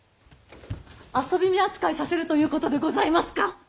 遊び女扱いさせるということでございますか！？